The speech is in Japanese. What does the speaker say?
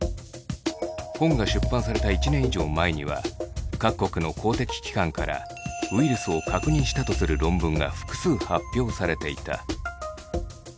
本が出版された１年以上前には各国の公的機関からウイルスを確認したとする論文が複数発表されていた。